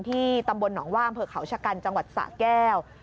ที่ตำบลหนองว่างเผลอเขาชะกันจังหวัดสาแก้ว